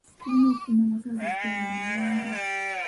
Tulina okukuuma amaka gaffe nga mayonjo.